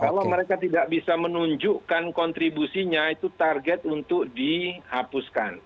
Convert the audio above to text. kalau mereka tidak bisa menunjukkan kontribusinya itu target untuk dihapuskan